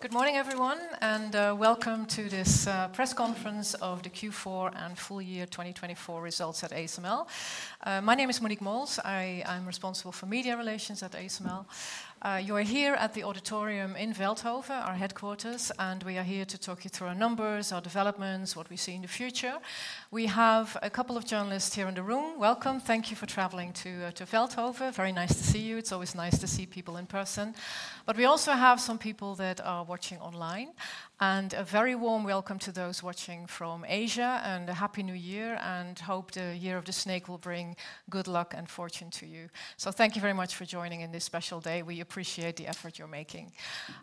Good morning, everyone, and welcome to this press conference of the Q4 and full year 2024 results at ASML. My name is Monique Mols. I am responsible for media relations at ASML. You are here at the auditorium in Veldhoven, our headquarters, and we are here to talk you through our numbers, our developments, what we see in the future. We have a couple of journalists here in the room. Welcome. Thank you for traveling to Veldhoven. Very nice to see you. It's always nice to see people in person. But we also have some people that are watching online, and a very warm welcome to those watching from Asia, and a Happy New Year, and hope the Year of the Snake will bring good luck and fortune to you. So thank you very much for joining in this special day. We appreciate the effort you're making.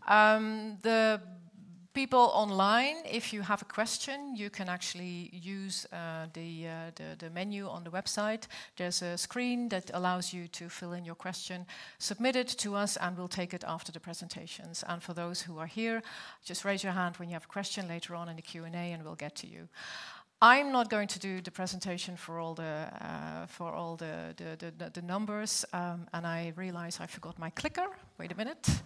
The people online, if you have a question, you can actually use the menu on the website. There's a screen that allows you to fill in your question, submit it to us, and we'll take it after the presentations, and for those who are here, just raise your hand when you have a question later on in the Q&A, and we'll get to you. I'm not going to do the presentation for all the numbers, and I realize I forgot my clicker. Wait a minute.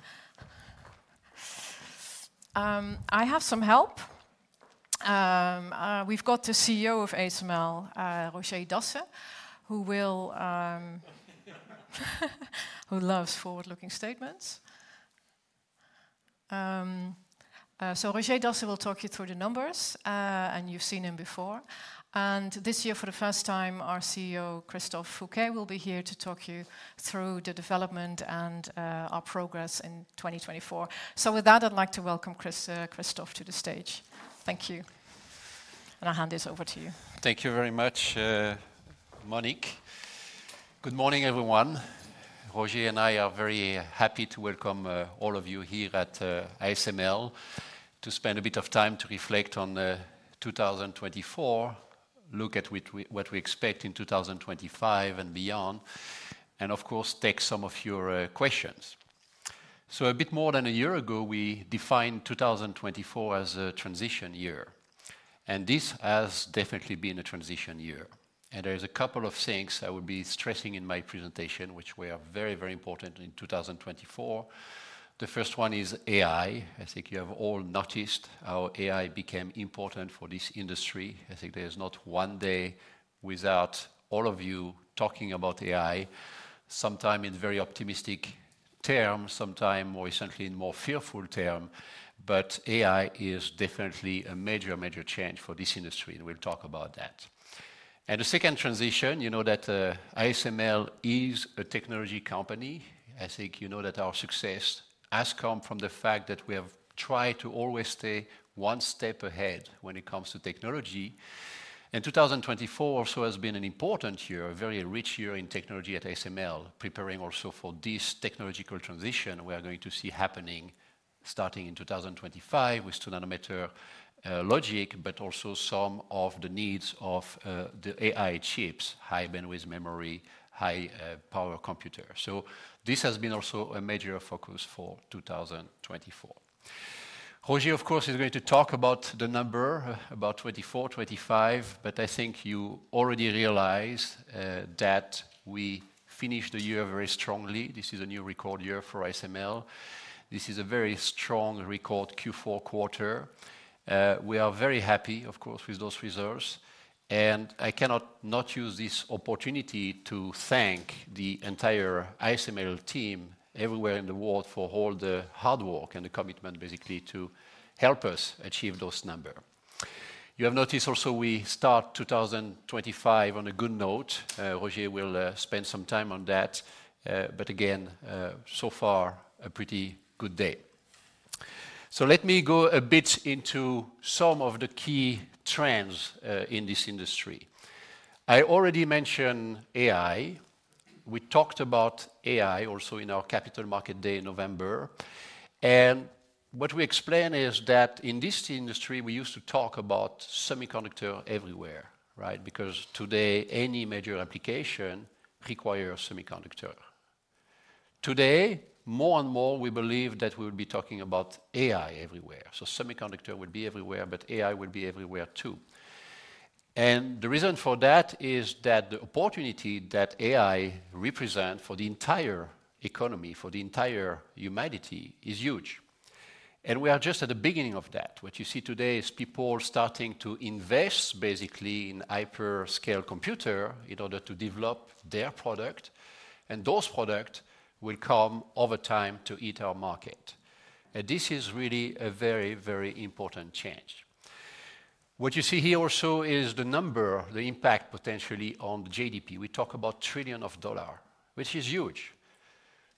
I have some help. We've got the CEO of ASML, Roger Dassen, who loves forward-looking statements, so Roger Dassen will talk you through the numbers, and you've seen him before. This year, for the first time, our CEO, Christophe Fouquet, will be here to talk you through the development and our progress in 2024. So with that, I'd like to welcome Christophe to the stage. Thank you. And I'll hand this over to you. Thank you very much, Monique. Good morning, everyone. Roger and I are very happy to welcome all of you here at ASML to spend a bit of time to reflect on the 2024, look at what we expect in 2025 and beyond, and of course, take some of your questions. So a bit more than a year ago, we defined 2024 as a transition year, and this has definitely been a transition year, and there's a couple of things I will be stressing in my presentation, which were very, very important in 2024. The first one is AI. I think you have all noticed how AI became important for this industry. I think there's not one day without all of you talking about AI, sometimes in very optimistic terms, sometimes more recently in more fearful terms. But AI is definitely a major, major change for this industry, and we'll talk about that. And the second transition, you know that ASML is a technology company. I think you know that our success has come from the fact that we have tried to always stay one step ahead when it comes to technology. And 2024 also has been an important year, a very rich year in technology at ASML, preparing also for this technological transition we are going to see happening starting in 2025 with 2-nanometer logic, but also some of the needs of the AI chips, high bandwidth memory, high-power computers. So this has been also a major focus for 2024. Roger, of course, is going to talk about the number, about 24, 25, but I think you already realize that we finished the year very strongly. This is a new record year for ASML. This is a very strong record Q4 quarter. We are very happy, of course, with those results. And I cannot not use this opportunity to thank the entire ASML team everywhere in the world for all the hard work and the commitment, basically, to help us achieve those numbers. You have noticed also we start 2025 on a good note. Roger will spend some time on that. But again, so far, a pretty good day. So let me go a bit into some of the key trends in this industry. I already mentioned AI. We talked about AI also in our Capital Markets Day in November. And what we explain is that in this industry, we used to talk about semiconductors everywhere, right? Because today, any major application requires semiconductors. Today, more and more, we believe that we will be talking about AI everywhere. So semiconductors will be everywhere, but AI will be everywhere too. And the reason for that is that the opportunity that AI represents for the entire economy, for the entire humanity, is huge. And we are just at the beginning of that. What you see today is people starting to invest, basically, in hyperscale computers in order to develop their products. And those products will come over time to eat our market. And this is really a very, very important change. What you see here also is the number, the impact potentially on the GDP. We talk about trillions of dollars, which is huge.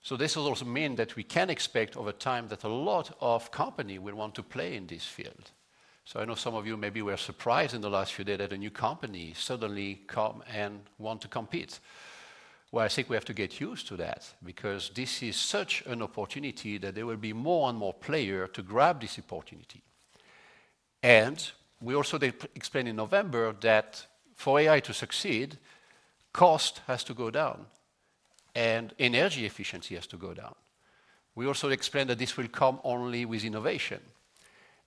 So this will also mean that we can expect over time that a lot of companies will want to play in this field. I know some of you maybe were surprised in the last few days that a new company suddenly came and wanted to compete. Well, I think we have to get used to that because this is such an opportunity that there will be more and more players to grab this opportunity. We also explained in November that for AI to succeed, cost has to go down, and energy efficiency has to go down. We also explained that this will come only with innovation.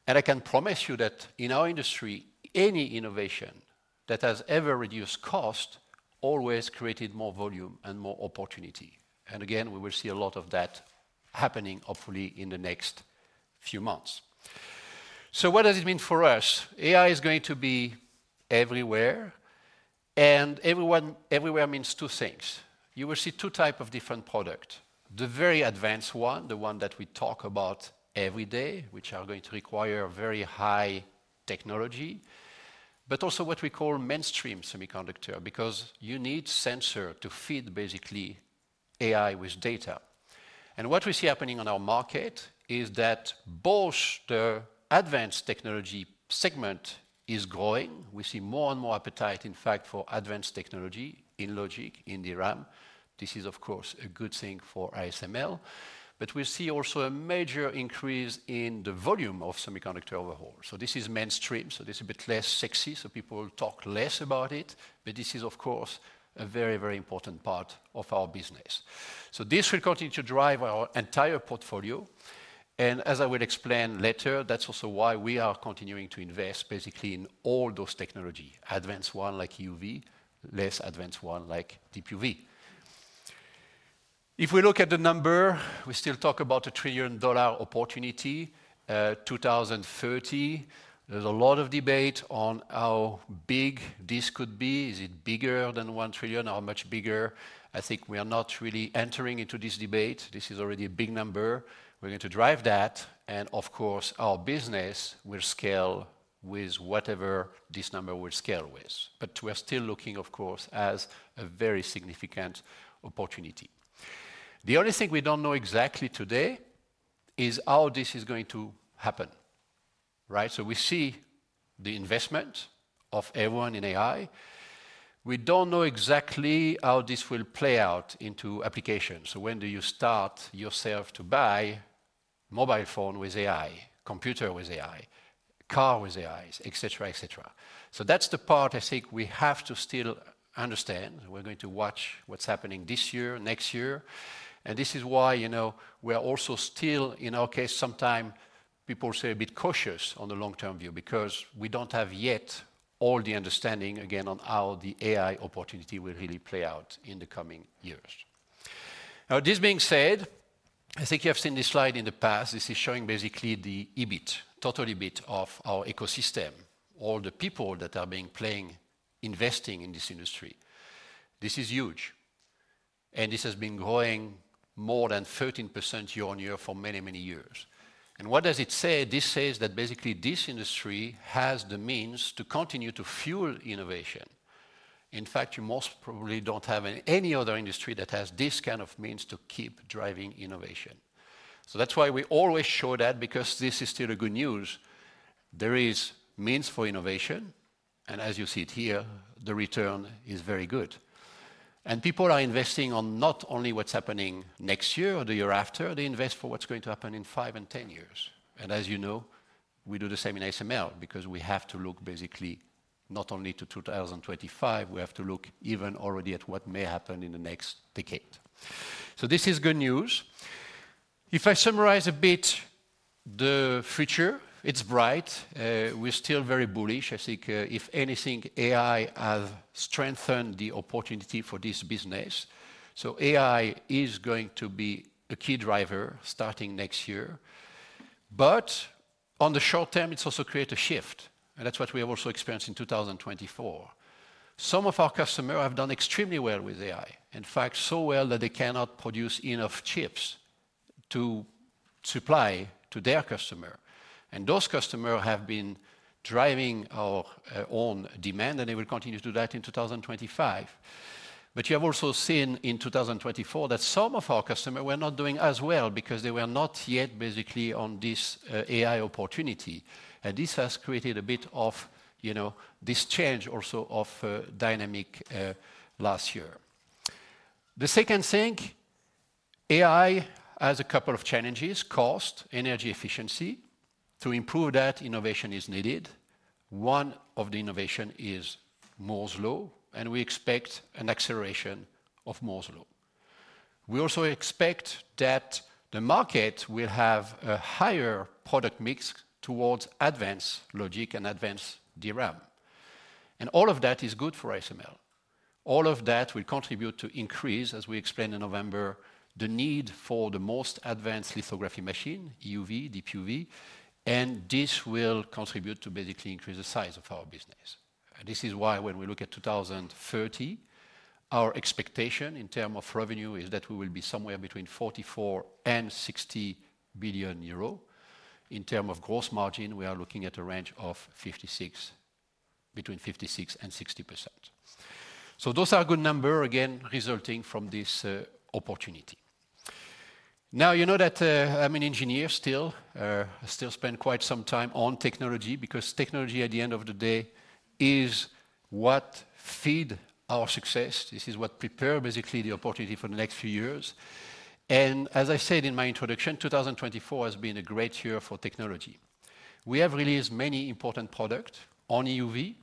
I can promise you that in our industry, any innovation that has ever reduced cost has always created more volume and more opportunity. Again, we will see a lot of that happening, hopefully, in the next few months. What does it mean for us? AI is going to be everywhere, and everywhere means two things. You will see two types of different products. The very advanced one, the one that we talk about every day, which is going to require very high technology, but also what we call mainstream semiconductors because you need sensors to feed, basically, AI with data. And what we see happening on our market is that both the advanced technology segment is growing. We see more and more appetite, in fact, for advanced technology in logic, in DRAM. This is, of course, a good thing for ASML. But we see also a major increase in the volume of semiconductors overall. So this is mainstream. So this is a bit less sexy. So people talk less about it. But this is, of course, a very, very important part of our business. So this will continue to drive our entire portfolio. As I will explain later, that's also why we are continuing to invest, basically, in all those technologies. Advanced one like EUV, less advanced one like DUV. If we look at the number, we still talk about a trillion-dollar opportunity in 2030. There's a lot of debate on how big this could be. Is it bigger than one trillion? How much bigger? I think we are not really entering into this debate. This is already a big number. We're going to drive that. Of course, our business will scale with whatever this number will scale with. We're still looking, of course, at a very significant opportunity. The only thing we don't know exactly today is how this is going to happen, right? We see the investment of everyone in AI. We don't know exactly how this will play out into applications. So when do you start yourself to buy a mobile phone with AI, a computer with AI, a car with AI, et cetera, et cetera? So that's the part I think we have to still understand. We're going to watch what's happening this year, next year. And this is why we're also still, in our case, sometimes people say a bit cautious on the long-term view because we don't have yet all the understanding, again, on how the AI opportunity will really play out in the coming years. Now, this being said, I think you have seen this slide in the past. This is showing, basically, the EBIT, total EBIT of our ecosystem, all the people that are being playing, investing in this industry. This is huge. And this has been growing more than 13% year-on-year for many, many years. And what does it say? This says that, basically, this industry has the means to continue to fuel innovation. In fact, you most probably don't have any other industry that has this kind of means to keep driving innovation, so that's why we always show that because this is still good news. There are means for innovation, and as you see it here, the return is very good, and people are investing on not only what's happening next year or the year after. They invest for what's going to happen in five and ten years, and as you know, we do the same in ASML because we have to look, basically, not only to 2025. We have to look even already at what may happen in the next decade, so this is good news. If I summarize a bit the future, it's bright. We're still very bullish. I think if anything, AI has strengthened the opportunity for this business. So AI is going to be a key driver starting next year. But on the short term, it's also created a shift. And that's what we have also experienced in 2024. Some of our customers have done extremely well with AI, in fact, so well that they cannot produce enough chips to supply to their customers. And those customers have been driving our own demand, and they will continue to do that in 2025. But you have also seen in 2024 that some of our customers were not doing as well because they were not yet, basically, on this AI opportunity. And this has created a bit of this change also of dynamic last year. The second thing, AI has a couple of challenges: cost, energy efficiency. To improve that, innovation is needed. One of the innovations is Moore's Law, and we expect an acceleration of Moore's Law. We also expect that the market will have a higher product mix towards advanced logic and advanced DRAM. And all of that is good for ASML. All of that will contribute to increase, as we explained in November, the need for the most advanced lithography machine, EUV, DUV. And this will contribute to, basically, increase the size of our business. And this is why when we look at 2030, our expectation in terms of revenue is that we will be somewhere between 44 billion and 60 billion euro. In terms of gross margin, we are looking at a range of between 56% and 60%. So those are good numbers, again, resulting from this opportunity. Now, you know that I'm an engineer still. I still spend quite some time on technology because technology, at the end of the day, is what feeds our success. This is what prepares, basically, the opportunity for the next few years. And as I said in my introduction, 2024 has been a great year for technology. We have released many important products on EUV.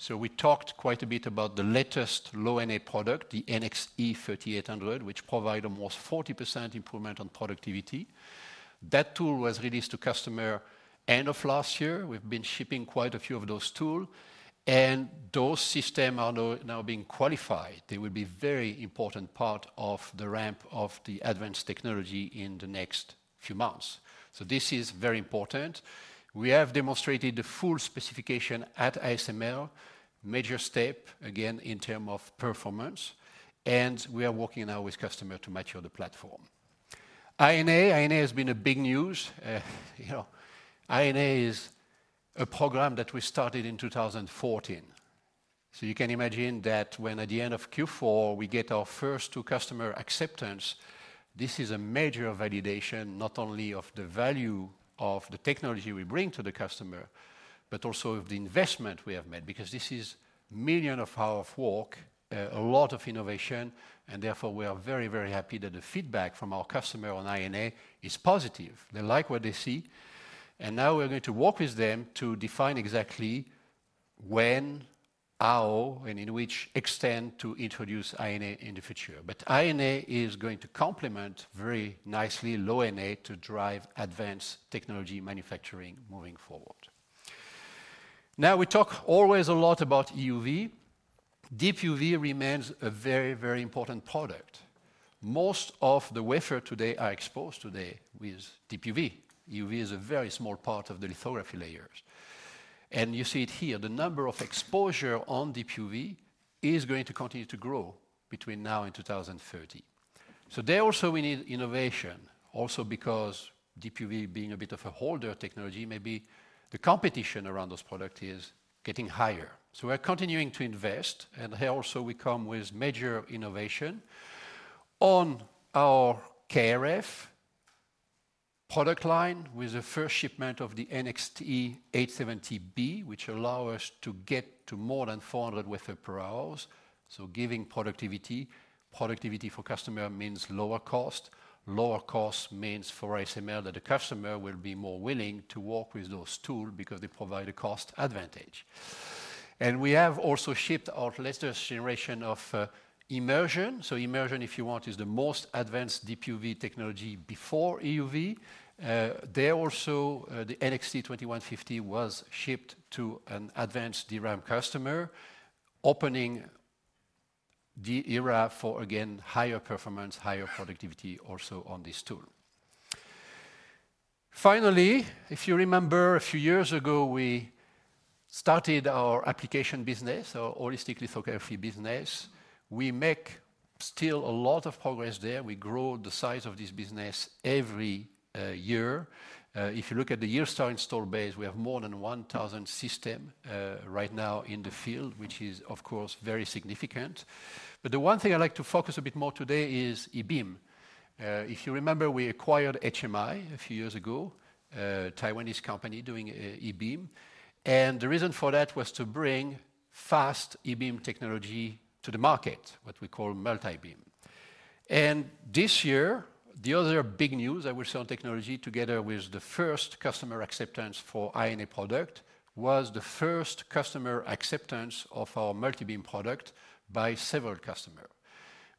So we talked quite a bit about the latest Low-NA product, the NXE:3800, which provided almost 40% improvement on productivity. That tool was released to customers at the end of last year. We've been shipping quite a few of those tools. And those systems are now being qualified. They will be a very important part of the ramp of the advanced technology in the next few months. So this is very important. We have demonstrated the full specification at ASML, a major step, again, in terms of performance. We are working now with customers to mature the platform. High-NA has been big news. High-NA is a program that we started in 2014. So you can imagine that when at the end of Q4, we get our first two customer acceptances, this is a major validation not only of the value of the technology we bring to the customer, but also of the investment we have made because this is millions of hours of work, a lot of innovation. Therefore, we are very, very happy that the feedback from our customers on High-NA is positive. They like what they see. Now we're going to work with them to define exactly when, how, and in which extent to introduce High-NA in the future. High-NA is going to complement very nicely low-NA to drive advanced technology manufacturing moving forward. Now, we talk always a lot about EUV. DUV remains a very, very important product. Most of the wafers today are exposed today with DUV. EUV is a very small part of the lithography layers, and you see it here. The number of exposures on DUV is going to continue to grow between now and 2030, so there also, we need innovation, also because DUV being a bit of an older technology, maybe the competition around those products is getting higher, so we're continuing to invest, and here also, we come with major innovation on our KrF product line with the first shipment of the NXT:870B, which allows us to get to more than 400 wafers per hour. So giving productivity. Productivity for customers means lower cost. Lower cost means for ASML that the customer will be more willing to work with those tools because they provide a cost advantage. And we have also shipped our latest generation of immersion. So immersion, if you want, is the most advanced DUV technology before EUV. There also, the NXT:2150 was shipped to an advanced DRAM customer, opening the era for, again, higher performance, higher productivity also on this tool. Finally, if you remember, a few years ago, we started our application business, our holistic lithography business. We make still a lot of progress there. We grow the size of this business every year. If you look at the year-start install base, we have more than 1,000 systems right now in the field, which is, of course, very significant. But the one thing I'd like to focus a bit more on today is e-beam. If you remember, we acquired HMI a few years ago, a Taiwanese company doing e-beam. The reason for that was to bring fast e-beam technology to the market, what we call multibeam. This year, the other big news I will say on technology, together with the first customer acceptance for High-NA product, was the first customer acceptance of our multibeam product by several customers,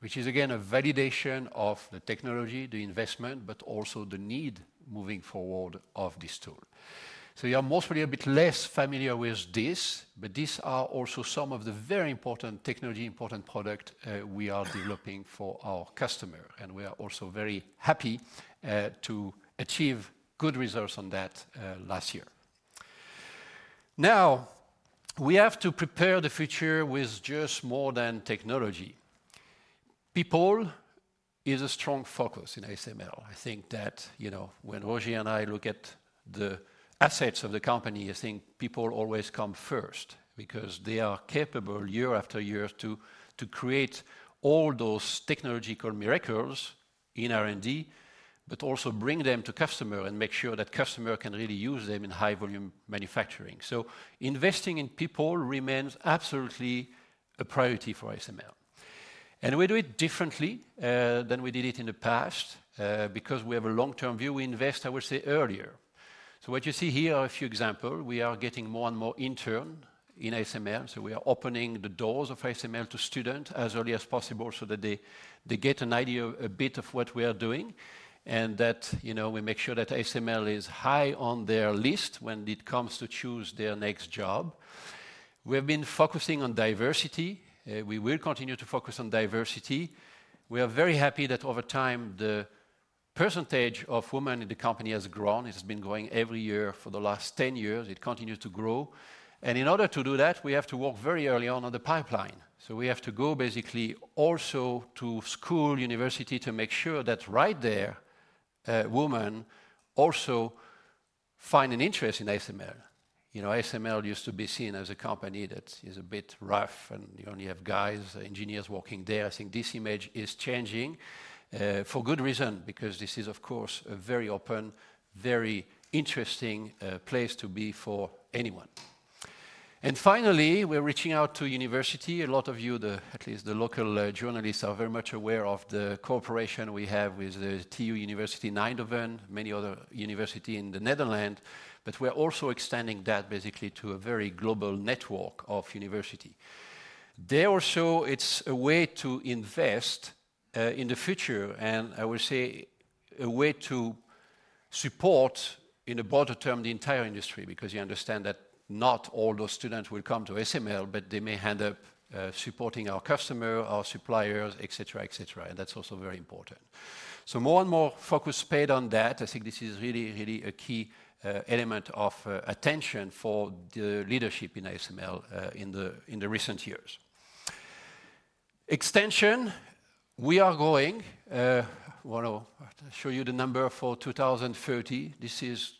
which is, again, a validation of the technology, the investment, but also the need moving forward of this tool. You are most probably a bit less familiar with this, but these are also some of the very important technology, important products we are developing for our customers. We are also very happy to achieve good results on that last year. Now, we have to prepare the future with just more than technology. People is a strong focus in ASML. I think that when Roger and I look at the assets of the company, I think people always come first because they are capable year after year to create all those technological miracles in R&D, but also bring them to customers and make sure that customers can really use them in high-volume manufacturing, so investing in people remains absolutely a priority for ASML. And we do it differently than we did it in the past because we have a long-term view, and we invest, I would say, earlier, so what you see here are a few examples. We are getting more and more interns in ASML. So we are opening the doors of ASML to students as early as possible so that they get an idea of a bit of what we are doing and that we make sure that ASML is high on their list when it comes to choosing their next job. We have been focusing on diversity. We will continue to focus on diversity. We are very happy that over time, the percentage of women in the company has grown. It has been growing every year for the last 10 years. It continues to grow. And in order to do that, we have to work very early on the pipeline. So we have to go basically also to school, university, to make sure that right there, women also find an interest in ASML. ASML used to be seen as a company that is a bit rough, and you only have guys, engineers working there. I think this image is changing for good reason because this is, of course, a very open, very interesting place to be for anyone. And finally, we're reaching out to university. A lot of you, at least the local journalists, are very much aware of the cooperation we have with TU Eindhoven, and many other universities in the Netherlands. But we're also extending that basically to a very global network of universities. There also, it's a way to invest in the future, and I would say a way to support, in a broader term, the entire industry because you understand that not all those students will come to ASML, but they may end up supporting our customers, our suppliers, et cetera, et cetera. And that's also very important. So more and more focus is paid on that. I think this is really, really a key element of attention for the leadership in ASML in the recent years. In addition, we are growing. I want to show you the number for 2030. This is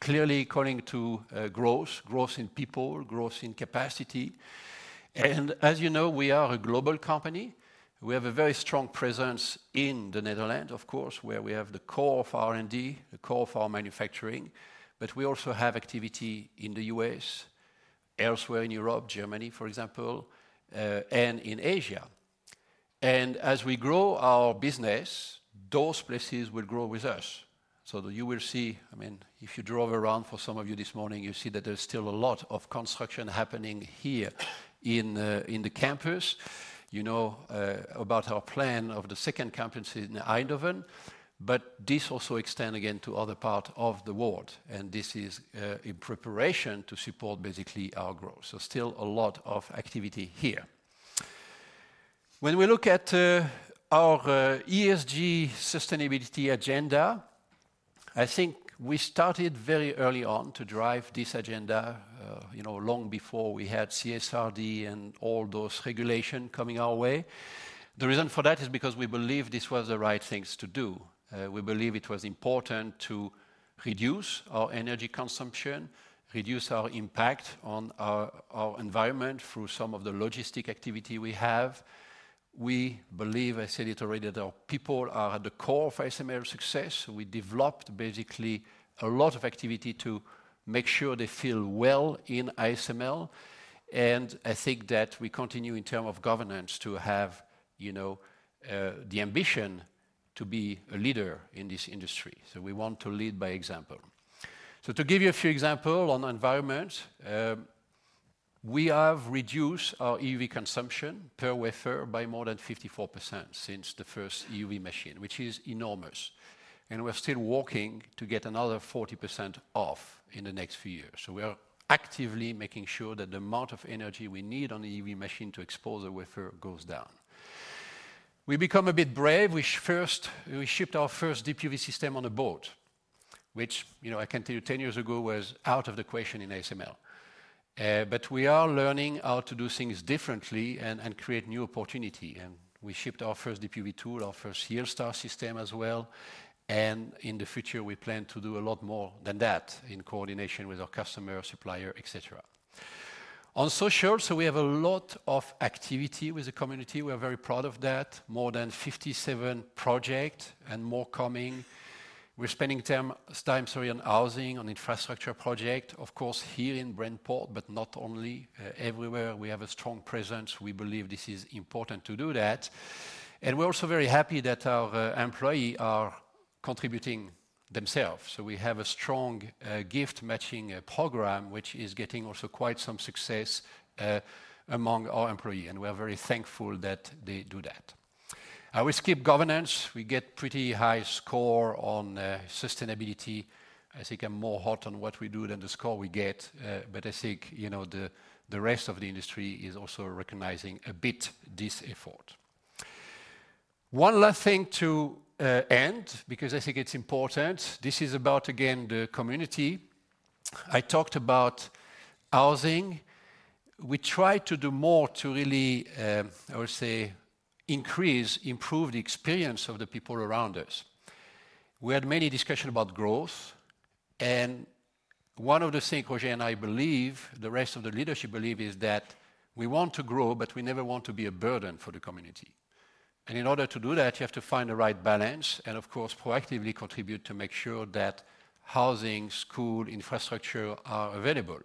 clearly calling to growth, growth in people, growth in capacity. And as you know, we are a global company. We have a very strong presence in the Netherlands, of course, where we have the core of our R&D, the core of our manufacturing. But we also have activity in the U.S., elsewhere in Europe, Germany, for example, and in Asia. And as we grow our business, those places will grow with us. So you will see, I mean, if you drove around for some of you this morning, you see that there's still a lot of construction happening here in the campus. You know about our plan of the second campus in Eindhoven. But this also extends, again, to other parts of the world. And this is in preparation to support basically our growth. So still a lot of activity here. When we look at our ESG sustainability agenda, I think we started very early on to drive this agenda long before we had CSRD and all those regulations coming our way. The reason for that is because we believe this was the right thing to do. We believe it was important to reduce our energy consumption, reduce our impact on our environment through some of the logistic activity we have. We believe, I said it already, that our people are at the core of ASML's success. We developed basically a lot of activity to make sure they feel well in ASML. I think that we continue in terms of governance to have the ambition to be a leader in this industry. So we want to lead by example. So to give you a few examples on environment, we have reduced our EUV consumption per wafer by more than 54% since the first EUV machine, which is enormous. And we're still working to get another 40% off in the next few years. So we're actively making sure that the amount of energy we need on the EUV machine to expose the wafer goes down. We become a bit brave. We first shipped our first DUV system on a boat, which I can tell you 10 years ago was out of the question in ASML. But we are learning how to do things differently and create new opportunities. And we shipped our first DUV tool, our first YieldStar system as well. In the future, we plan to do a lot more than that in coordination with our customers, suppliers, et cetera. On social, so we have a lot of activity with the community. We are very proud of that. More than 57 projects and more coming. We're spending time, sorry, on housing, on infrastructure projects, of course, here in Brainport, but not only. Everywhere, we have a strong presence. We believe this is important to do that. We're also very happy that our employees are contributing themselves. We have a strong gift matching program, which is getting also quite some success among our employees. We are very thankful that they do that. I will skip governance. We get a pretty high score on sustainability. I think I'm more hot on what we do than the score we get. But I think the rest of the industry is also recognizing a bit this effort. One last thing to end, because I think it's important. This is about, again, the community. I talked about housing. We try to do more to really, I would say, increase, improve the experience of the people around us. We had many discussions about growth. And one of the things Roger and I believe, the rest of the leadership believe, is that we want to grow, but we never want to be a burden for the community. And in order to do that, you have to find the right balance and, of course, proactively contribute to make sure that housing, school, infrastructure are available.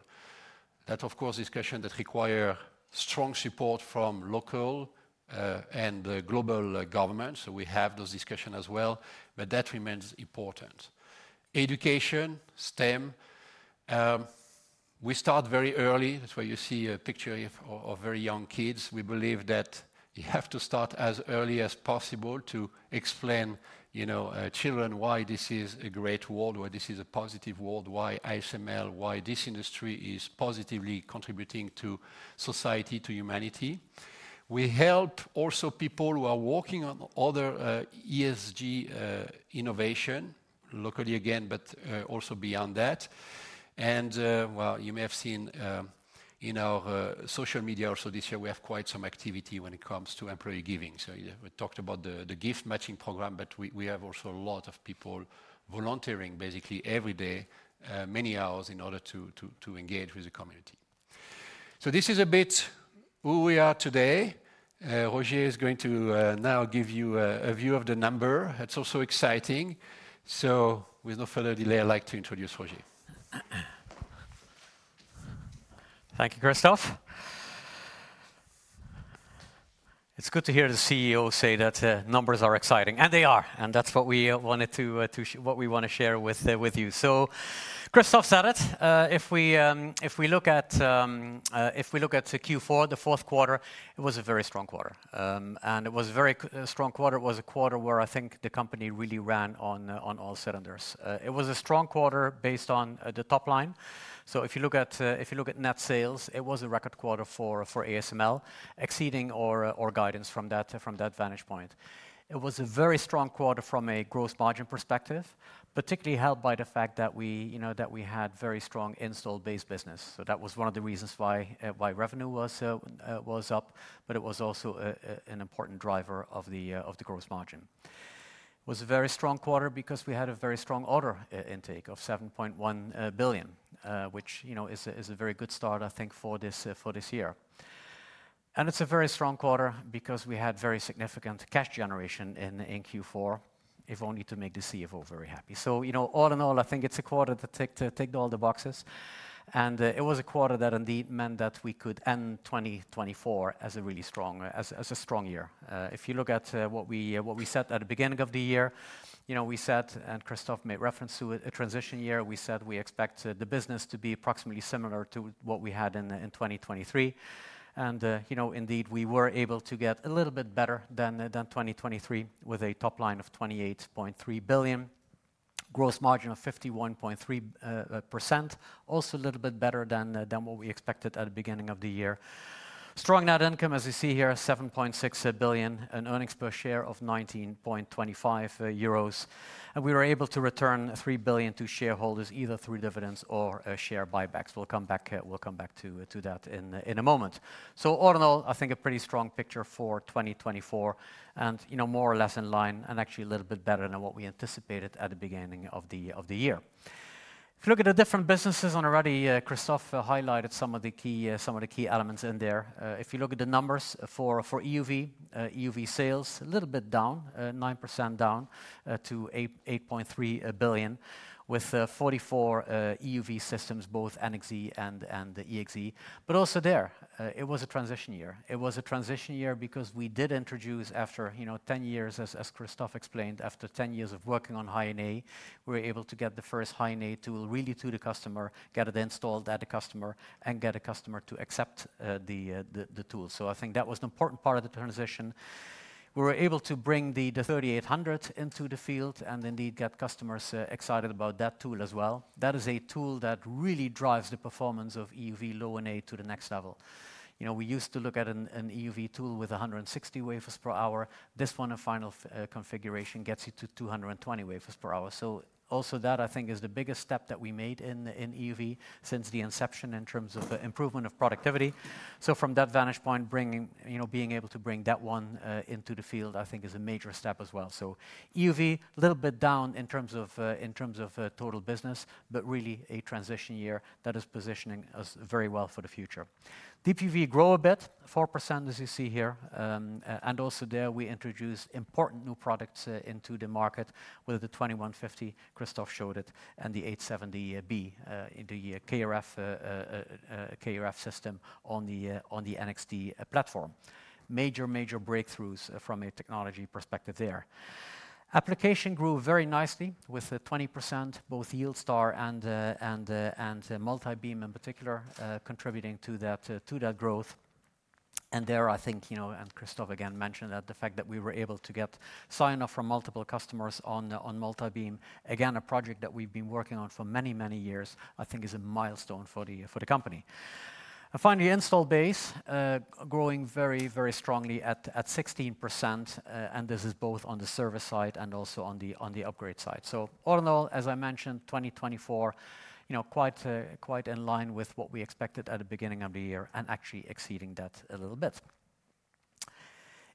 That's, of course, discussions that require strong support from local and global governments. So we have those discussions as well. But that remains important. Education, STEM. We start very early. That's why you see a picture of very young kids. We believe that you have to start as early as possible to explain to children why this is a great world, why this is a positive world, why ASML, why this industry is positively contributing to society, to humanity. We help also people who are working on other ESG innovation, locally again, but also beyond that, and well, you may have seen in our social media also this year, we have quite some activity when it comes to employee giving, so we talked about the gift matching program, but we have also a lot of people volunteering basically every day, many hours in order to engage with the community, so this is a bit who we are today. Roger is going to now give you a view of the number. It's also exciting. So with no further delay, I'd like to introduce Roger. Thank you, Christophe. It's good to hear the CEO say that numbers are exciting. And they are. And that's what we wanted to, what we want to share with you. So Christophe said it. If we look at Q4, the fourth quarter, it was a very strong quarter. And it was a very strong quarter. It was a quarter where I think the company really ran on all cylinders. It was a strong quarter based on the top line. So if you look at net sales, it was a record quarter for ASML, exceeding our guidance from that vantage point. It was a very strong quarter from a gross margin perspective, particularly held by the fact that we had very strong install-based business. That was one of the reasons why revenue was up, but it was also an important driver of the gross margin. It was a very strong quarter because we had a very strong order intake of 7.1 billion, which is a very good start, I think, for this year. And it's a very strong quarter because we had very significant cash generation in Q4, if only to make the CFO very happy. So all in all, I think it's a quarter that ticked all the boxes. And it was a quarter that indeed meant that we could end 2024 as a really strong year. If you look at what we said at the beginning of the year, we said, and Christophe made reference to it, a transition year. We said we expect the business to be approximately similar to what we had in 2023. Indeed, we were able to get a little bit better than 2023 with a top line of 28.3 billion, gross margin of 51.3%, also a little bit better than what we expected at the beginning of the year. Strong net income, as you see here, 7.6 billion, an earnings per share of 19.25 euros. We were able to return 3 billion to shareholders either through dividends or share buybacks. We'll come back to that in a moment. All in all, I think a pretty strong picture for 2024 and more or less in line and actually a little bit better than what we anticipated at the beginning of the year. If you look at the different businesses one already, Christophe highlighted some of the key elements in there. If you look at the numbers for EUV, EUV sales, a little bit down, 9% down to 8.3 billion with 44 EUV systems, both NXE and EXE. Also there, it was a transition year. It was a transition year because we did introduce after 10 years, as Christophe explained, after 10 years of working on High-NA, we were able to get the first High-NA tool really to the customer, get it installed at the customer, and get a customer to accept the tool. So I think that was an important part of the transition. We were able to bring the 3800 into the field and indeed get customers excited about that tool as well. That is a tool that really drives the performance of EUV Low-NA to the next level. We used to look at an EUV tool with 160 wafers per hour. This one, a final configuration, gets you to 220 wafers per hour, so also that, I think, is the biggest step that we made in EUV since the inception in terms of improvement of productivity. So from that vantage point, being able to bring that one into the field, I think, is a major step as well. So EUV, a little bit down in terms of total business, but really a transition year that is positioning us very well for the future. DUV grow a bit, 4%, as you see here. And also there, we introduced important new products into the market with the 2150, Christophe showed it, and the 870B into the KrF system on the NXT platform. Major, major breakthroughs from a technology perspective there. Applications grew very nicely with 20%, both YieldStar and Multibeam in particular, contributing to that growth. There, I think, and Christophe again mentioned that the fact that we were able to get sign-off from multiple customers on Multibeam, again, a project that we've been working on for many, many years, I think, is a milestone for the company. Finally, installed base, growing very, very strongly at 16%. And this is both on the service side and also on the upgrade side. So all in all, as I mentioned, 2024, quite in line with what we expected at the beginning of the year and actually exceeding that a little bit.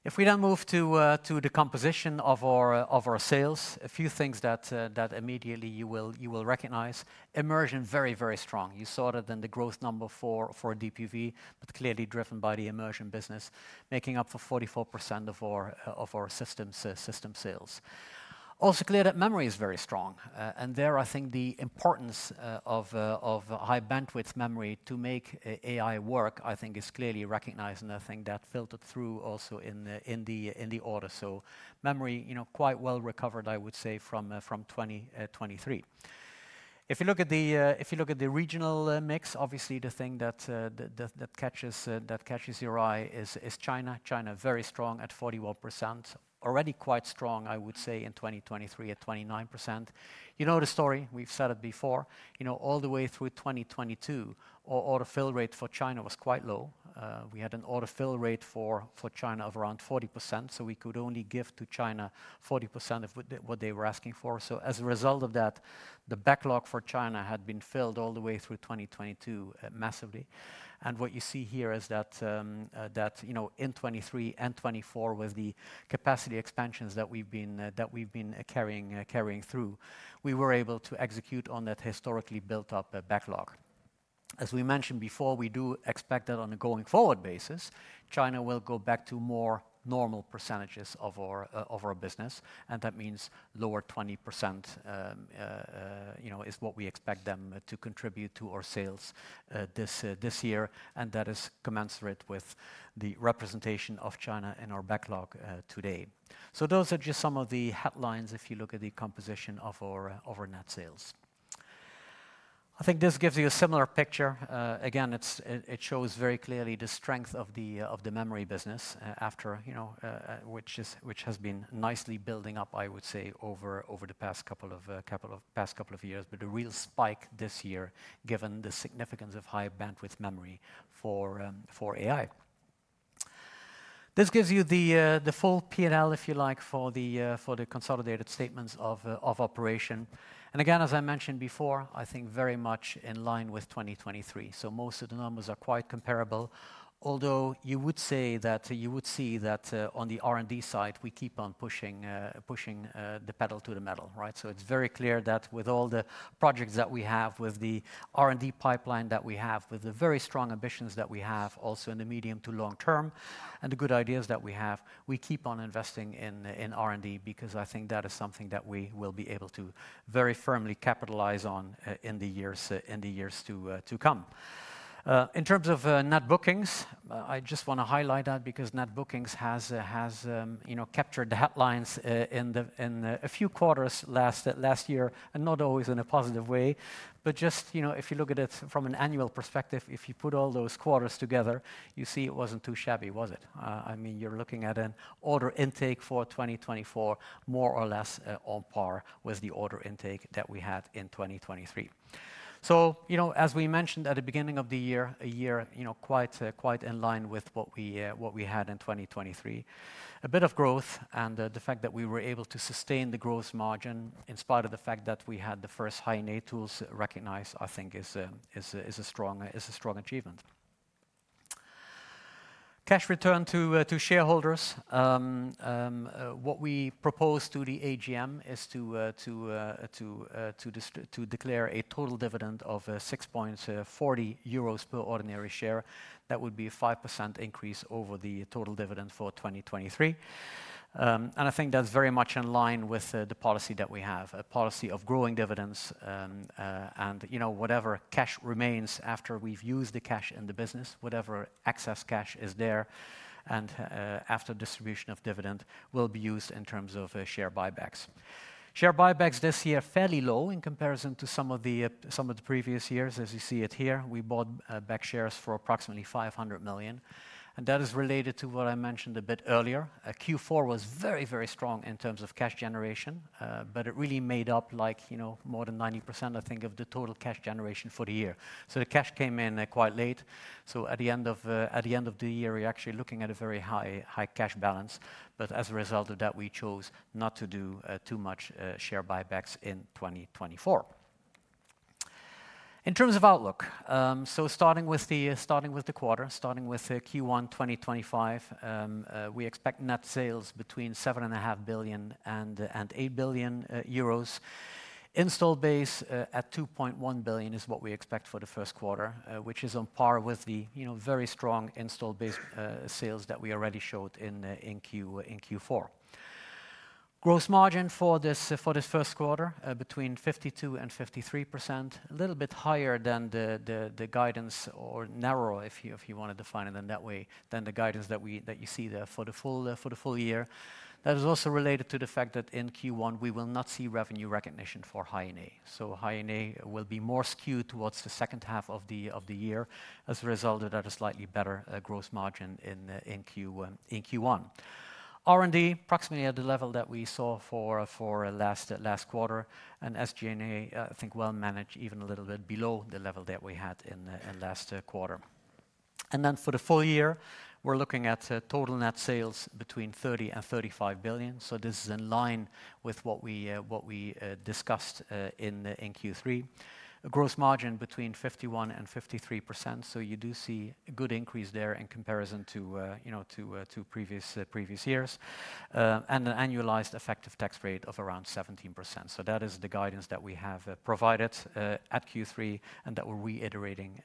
If we then move to the composition of our sales, a few things that immediately you will recognize. Immersion very, very strong. You saw that in the growth number for DUV, but clearly driven by the immersion business, making up 44% of our system sales. Also clear that memory is very strong. And there, I think the importance of high bandwidth memory to make AI work, I think, is clearly recognized. And I think that filtered through also in the order. So memory quite well recovered, I would say, from 2023. If you look at the regional mix, obviously the thing that catches your eye is China. China, very strong at 41%. Already quite strong, I would say, in 2023 at 29%. You know the story. We've said it before. All the way through 2022, our order fill rate for China was quite low. We had an order fill rate for China of around 40%. So we could only give to China 40% of what they were asking for. So as a result of that, the backlog for China had been filled all the way through 2022 massively. What you see here is that in 2023 and 2024, with the capacity expansions that we've been carrying through, we were able to execute on that historically built-up backlog. As we mentioned before, we do expect that on a going-forward basis, China will go back to more normal percentages of our business. And that means lower 20% is what we expect them to contribute to our sales this year. And that is commensurate with the representation of China in our backlog today. So those are just some of the headlines if you look at the composition of our net sales. I think this gives you a similar picture. Again, it shows very clearly the strength of the memory business, which has been nicely building up, I would say, over the past couple of years. But the real spike this year, given the significance of high bandwidth memory for AI. This gives you the full P&L, if you like, for the consolidated statements of operation, and again, as I mentioned before, I think very much in line with 2023, so most of the numbers are quite comparable. Although you would say that you would see that on the R&D side, we keep on pushing the pedal to the metal, so it's very clear that with all the projects that we have, with the R&D pipeline that we have, with the very strong ambitions that we have also in the medium to long term, and the good ideas that we have, we keep on investing in R&D because I think that is something that we will be able to very firmly capitalize on in the years to come. In terms of net bookings, I just want to highlight that because net bookings has captured the headlines in a few quarters last year and not always in a positive way. But just if you look at it from an annual perspective, if you put all those quarters together, you see it wasn't too shabby, was it? I mean, you're looking at an order intake for 2024, more or less on par with the order intake that we had in 2023. So as we mentioned at the beginning of the year, a year quite in line with what we had in 2023. A bit of growth and the fact that we were able to sustain the gross margin in spite of the fact that we had the first High-NA tools recognized, I think, is a strong achievement. Cash return to shareholders. What we proposed to the AGM is to declare a total dividend of 6.40 euros per ordinary share. That would be a 5% increase over the total dividend for 2023, and I think that's very much in line with the policy that we have, a policy of growing dividends. Whatever cash remains after we've used the cash in the business, whatever excess cash is there, and after distribution of dividend, will be used in terms of share buybacks. Share buybacks this year were fairly low in comparison to some of the previous years, as you see it here. We bought back shares for approximately 500 million. That is related to what I mentioned a bit earlier. Q4 was very, very strong in terms of cash generation, but it really made up like more than 90%, I think, of the total cash generation for the year. So the cash came in quite late. So at the end of the year, we're actually looking at a very high cash balance. But as a result of that, we chose not to do too much share buybacks in 2024. In terms of outlook, so starting with the quarter, starting with Q1 2025, we expect net sales between 7.5 billion EUR and 8 billion euros. Installed base at 2.1 billion EUR is what we expect for the first quarter, which is on par with the very strong installed base sales that we already showed in Q4. Gross margin for this first quarter, between 52% and 53%, a little bit higher than the guidance or narrower, if you want to define it in that way, than the guidance that you see there for the full year. That is also related to the fact that in Q1, we will not see revenue recognition for High-NA. So High-NA will be more skewed towards the second half of the year as a result of that, a slightly better gross margin in Q1. R&D, approximately at the level that we saw for last quarter. And SG&A, I think well managed, even a little bit below the level that we had in last quarter. And then for the full year, we're looking at total net sales between 30 billion and 35 billion. So this is in line with what we discussed in Q3. Gross margin between 51% and 53%. So you do see a good increase there in comparison to previous years. And an annualized effective tax rate of around 17%. So that is the guidance that we have provided at Q3 and that we're reiterating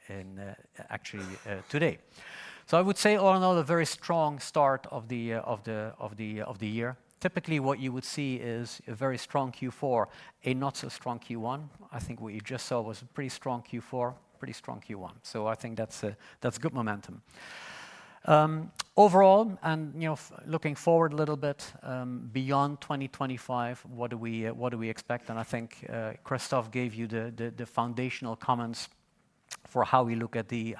actually today. I would say all in all, a very strong start of the year. Typically, what you would see is a very strong Q4, a not so strong Q1. I think what you just saw was a pretty strong Q4, pretty strong Q1. I think that's good momentum. Overall, and looking forward a little bit beyond 2025, what do we expect? I think Christophe gave you the foundational comments for how we look at the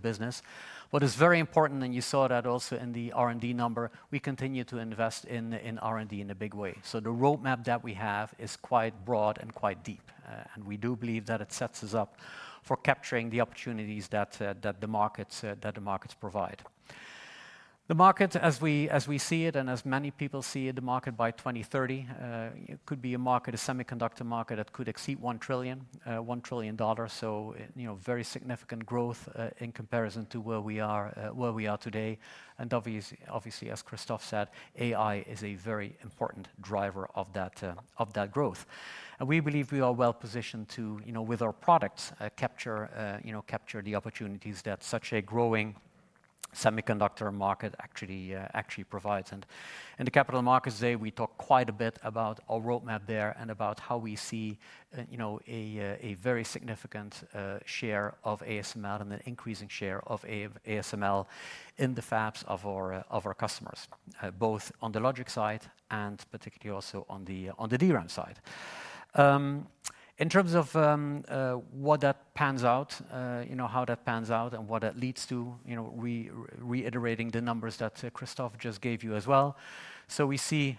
business. What is very important, and you saw that also in the R&D number, we continue to invest in R&D in a big way. The roadmap that we have is quite broad and quite deep. We do believe that it sets us up for capturing the opportunities that the markets provide. The market, as we see it and as many people see it, the market by 2030, it could be a market, a semiconductor market that could exceed $1 trillion. So very significant growth in comparison to where we are today. And obviously, as Christophe said, AI is a very important driver of that growth. And we believe we are well positioned to, with our products, capture the opportunities that such a growing semiconductor market actually provides. And in the capital markets today, we talk quite a bit about our roadmap there and about how we see a very significant share of ASML and an increasing share of ASML in the fabs of our customers, both on the logic side and particularly also on the DRAM side. In terms of what that pans out, how that pans out and what that leads to, reiterating the numbers that Christophe just gave you as well. So we see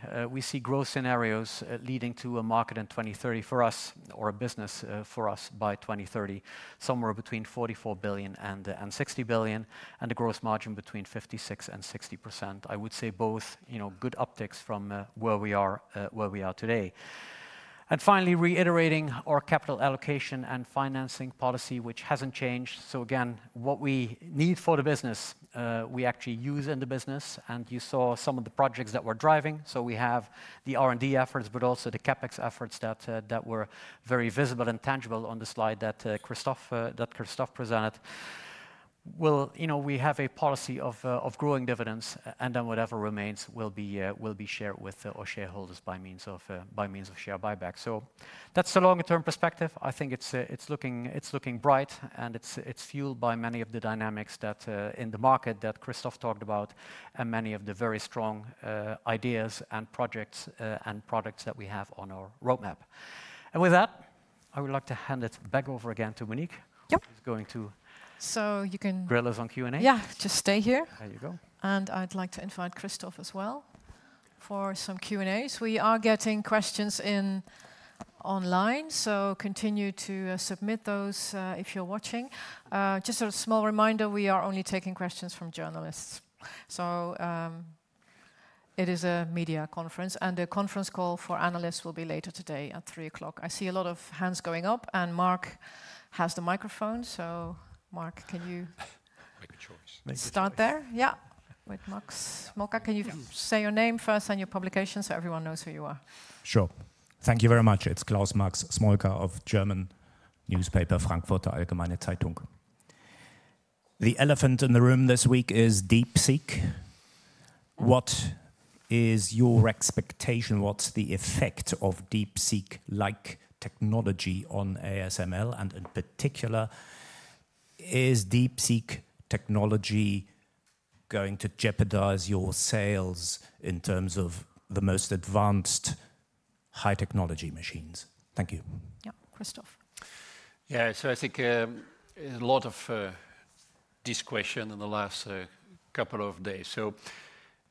growth scenarios leading to a market in 2030 for us, or a business for us by 2030, somewhere between 44 billion and 60 billion, and a gross margin between 56% and 60%. I would say both good optics from where we are today. And finally, reiterating our capital allocation and financing policy, which hasn't changed. So again, what we need for the business, we actually use in the business. And you saw some of the projects that were driving. So we have the R&D efforts, but also the CapEx efforts that were very visible and tangible on the slide that Christophe presented. We have a policy of growing dividends, and then whatever remains will be shared with our shareholders by means of share buybacks, so that's the longer-term perspective. I think it's looking bright, and it's fueled by many of the dynamics in the market that Christophe talked about and many of the very strong ideas and projects and products that we have on our roadmap. With that, I would like to hand it back over again to Monique, who's going to drill us on Q&A. Yeah, just stay here. There you go. I'd like to invite Christophe as well for some Q&As. We are getting questions online, so continue to submit those if you're watching. Just a small reminder, we are only taking questions from journalists, so it is a media conference, and the conference call for analysts will be later today at 3:00 P.M. I see a lot of hands going up, and Max has the microphone. So Max, can you start there? Yeah. With Max Smolka, can you say your name first and your publication so everyone knows who you are? Sure. Thank you very much. It's Klaus Max Smolka of German newspaper, Frankfurter Allgemeine Zeitung. The elephant in the room this week is DeepSeek. What is your expectation? What's the effect of DeepSeek-like technology on ASML? And in particular, is DeepSeek technology going to jeopardize your sales in terms of the most advanced high-technology machines? Thank you. Yeah, Christophe. Yeah, so I think a lot of this question in the last couple of days. So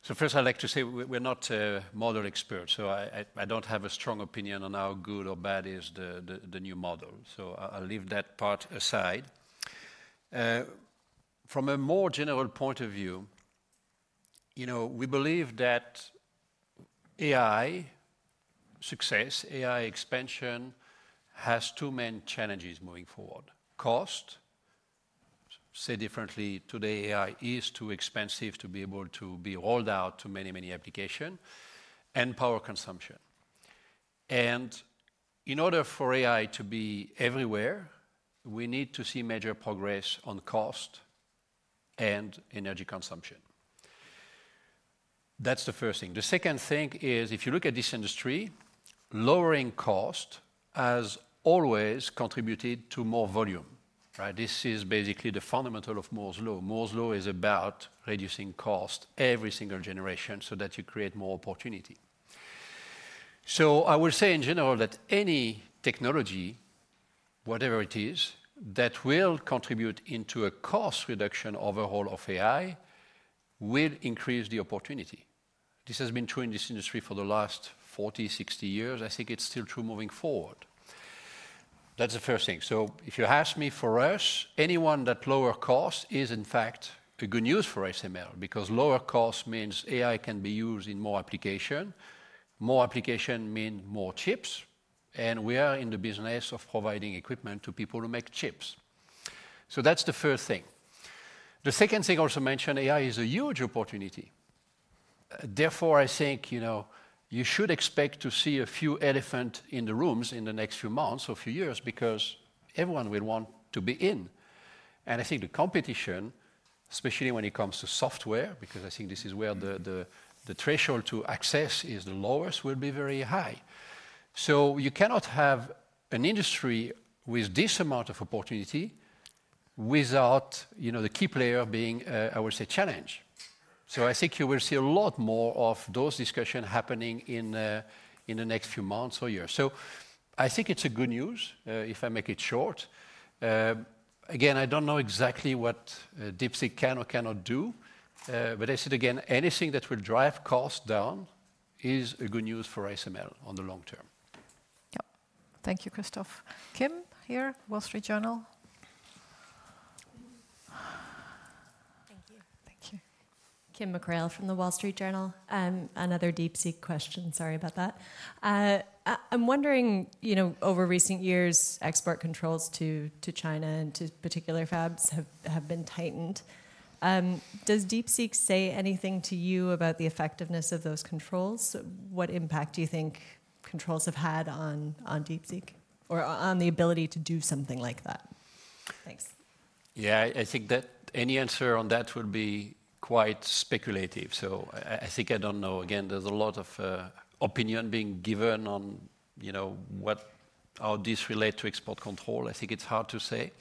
first, I'd like to say we're not model experts. So I don't have a strong opinion on how good or bad is the new model. So I'll leave that part aside. From a more general point of view, we believe that AI success, AI expansion has two main challenges moving forward: cost. Say differently, today, AI is too expensive to be able to be rolled out to many, many applications and power consumption, and in order for AI to be everywhere, we need to see major progress on cost and energy consumption. That's the first thing. The second thing is, if you look at this industry, lowering cost has always contributed to more volume. This is basically the fundamental of Moore's Law. Moore's Law is about reducing cost every single generation so that you create more opportunity, so I would say in general that any technology, whatever it is, that will contribute into a cost reduction overall of AI will increase the opportunity. This has been true in this industry for the last 40, 60 years. I think it's still true moving forward. That's the first thing. So if you ask me for us, anyone that lower cost is in fact good news for ASML because lower cost means AI can be used in more applications. More applications mean more chips. And we are in the business of providing equipment to people who make chips. So that's the first thing. The second thing also mentioned, AI is a huge opportunity. Therefore, I think you should expect to see a few elephants in the rooms in the next few months or few years because everyone will want to be in. And I think the competition, especially when it comes to software, because I think this is where the threshold to access is the lowest, will be very high. So you cannot have an industry with this amount of opportunity without the key player being, I would say, challenged. So I think you will see a lot more of those discussions happening in the next few months or years. So I think it's good news if I make it short. Again, I don't know exactly what DeepSeek can or cannot do. But I said again, anything that will drive cost down is good news for ASML on the long term. Yeah. Thank you, Christophe. Kim here at Wall Street Journal. Thank you. Thank you. Kim Mackrael from the Wall Street Journal. Another DeepSeek question. Sorry about that. I'm wondering, over recent years, export controls to China and to particular fabs have been tightened. Does DeepSeek say anything to you about the effectiveness of those controls? What impact do you think controls have had on DeepSeek or on the ability to do something like that? Thanks. Yeah, I think that any answer on that would be quite speculative. So I think I don't know. Again, there's a lot of opinion being given on how this relates to export control. I think it's hard to say.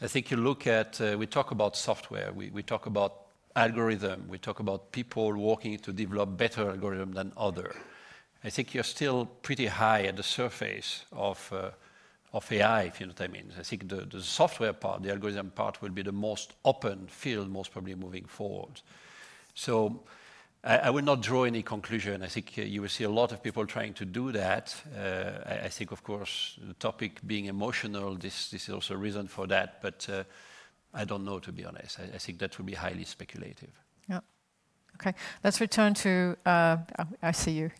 I think you look at, we talk about software. We talk about algorithm. We talk about people working to develop better algorithms than others. I think you're still pretty high at the surface of AI, if you know what I mean. I think the software part, the algorithm part, will be the most open field, most probably moving forward. So I will not draw any conclusion. I think you will see a lot of people trying to do that. I think, of course, the topic being emotional, this is also a reason for that. But I don't know, to be honest. I think that would be highly speculative. Yeah. Okay. Let's return to, I see you.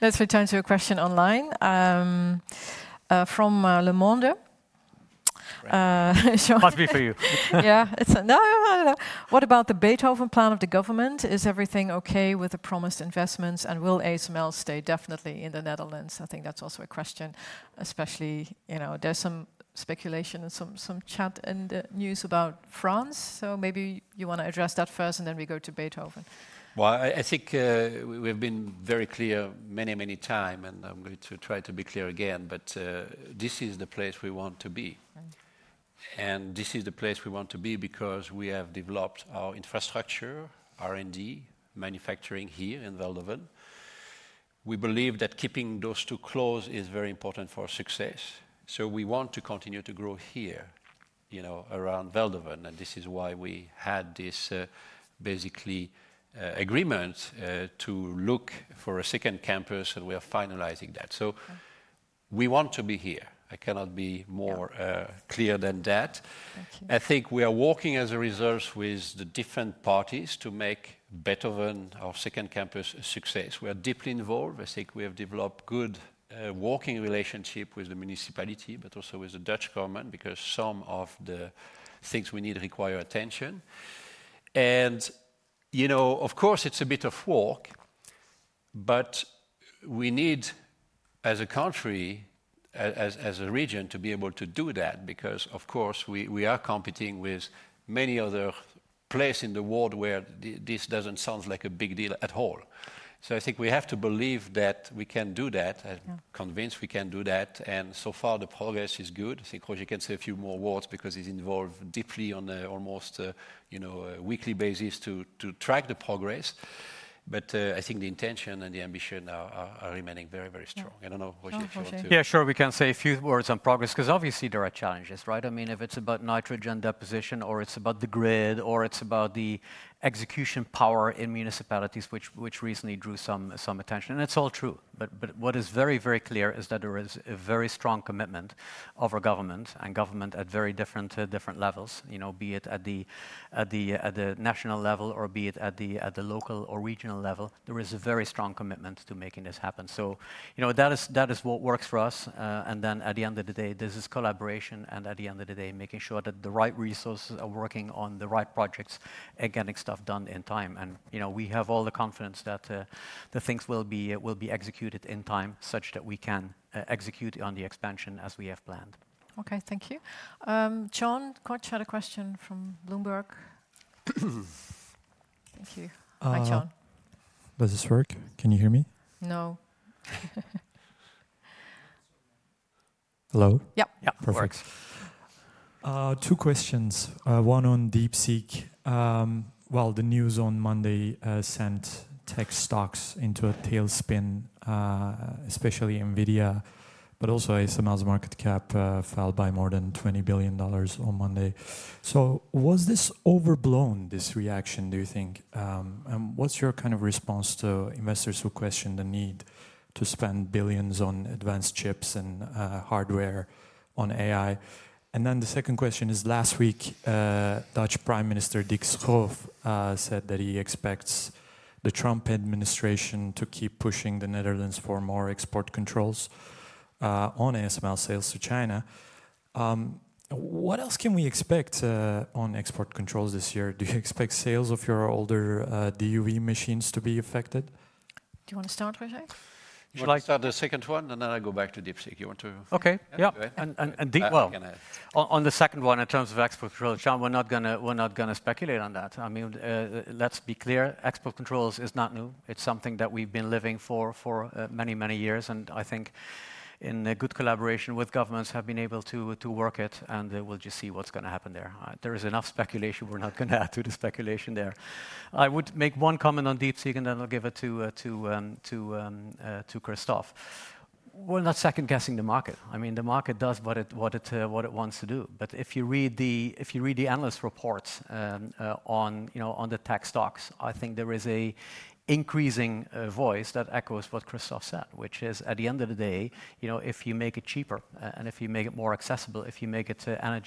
Let's return to a question online from Le Monde. Must be for you. Yeah. No. What about the Beethoven plan of the government? Is everything okay with the promised investments? And will ASML stay definitely in the Netherlands? I think that's also a question, especially there's some speculation and some chat in the news about France. So maybe you want to address that first, and then we go to Beethoven. Well, I think we've been very clear many, many times, and I'm going to try to be clear again. But this is the place we want to be. And this is the place we want to be because we have developed our infrastructure, R&D, manufacturing here in Veldhoven. We believe that keeping those two close is very important for success. So we want to continue to grow here around Veldhoven. And this is why we had this basically agreement to look for a second campus, and we are finalizing that. So we want to be here. I cannot be more clear than that. I think we are working as a resource with the different parties to make Beethoven, our second campus, a success. We are deeply involved. I think we have developed a good working relationship with the municipality, but also with the Dutch Government because some of the things we need require attention. And of course, it's a bit of work, but we need, as a country, as a region, to be able to do that because, of course, we are competing with many other places in the world where this doesn't sound like a big deal at all. So I think we have to believe that we can do that, convinced we can do that. And so far, the progress is good. I think Roger can say a few more words because he's involved deeply on an almost weekly basis to track the progress. But I think the intention and the ambition are remaining very, very strong. I don't know, Roger, if you want to. Yeah, sure. We can say a few words on progress because obviously there are challenges, right? I mean, if it's about nitrogen deposition or it's about the grid or it's about the execution power in municipalities, which recently drew some attention, and it's all true. But what is very, very clear is that there is a very strong commitment of our government and government at very different levels, be it at the national level or be it at the local or regional level. There is a very strong commitment to making this happen, so that is what works for us and then at the end of the day, there's this collaboration and at the end of the day, making sure that the right resources are working on the right projects and getting stuff done in time and we have all the confidence that the things will be executed in time such that we can execute on the expansion as we have planned. Okay. Thank you. Çağan Koç had a question from Bloomberg. Thank you. Hi, Çağan. Does this work? Can you hear me? No. Hello? Yeah. Perfect. Two questions. One on DeepSeek. Well, the news on Monday sent tech stocks into a tailspin, especially Nvidia, but also ASML's market cap fell by more than $20 billion on Monday. So was this overblown, this reaction, do you think? And what's your kind of response to investors who question the need to spend billions on advanced chips and hardware on AI? And then the second question is, last week, Dutch Prime Minister Dick Schoof said that he expects the Trump administration to keep pushing the Netherlands for more export controls on ASML sales to China. What else can we expect on export controls this year? Do you expect sales of your older DUV machines to be affected? Do you want to start, Roger? I'd like to start the second one, and then I'll go back to DeepSeek. You want to? Okay. Yeah, well, on the second one, in terms of export controls, John, we're not going to speculate on that. I mean, let's be clear, export controls is not new. It's something that we've been living for many, many years, and I think in good collaboration with governments, we have been able to work it, and we'll just see what's going to happen there. There is enough speculation. We're not going to add to the speculation there. I would make one comment on DeepSeek, and then I'll give it to Christophe. We're not second-guessing the market. I mean, the market does what it wants to do. But if you read the analyst reports on the tech stocks, I think there is an increasing voice that echoes what Christophe said, which is, at the end of the day, if you make it cheaper and if you make it more accessible, if you make it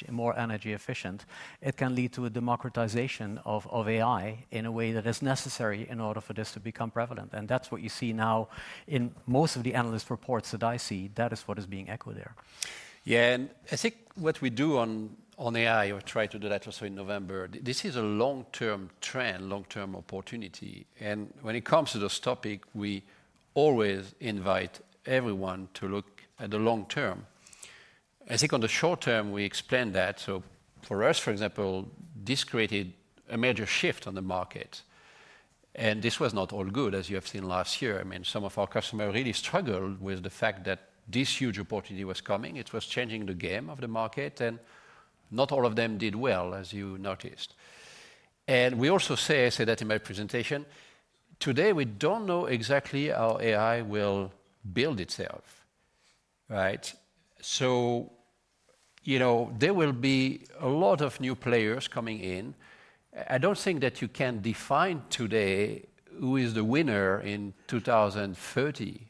more energy efficient, it can lead to a democratization of AI in a way that is necessary in order for this to become prevalent. And that's what you see now in most of the analyst reports that I see. That is what is being echoed there. Yeah. And I think what we do on AI, we try to do that also in November. This is a long-term trend, long-term opportunity. And when it comes to this topic, we always invite everyone to look at the long term. I think on the short term, we explain that. So for us, for example, this created a major shift on the market. And this was not all good, as you have seen last year. I mean, some of our customers really struggled with the fact that this huge opportunity was coming. It was changing the game of the market. And not all of them did well, as you noticed. And we also say, I say that in my presentation, today, we don't know exactly how AI will build itself. Right? So there will be a lot of new players coming in. I don't think that you can define today who is the winner in 2030.